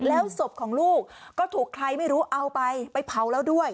แล้วศพของลูกก็ถูกใครไม่รู้เอาไปไปเผาแล้วด้วย